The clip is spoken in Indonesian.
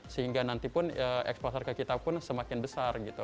sehingga nanti pun eksplosor ke kita pun semakin besar gitu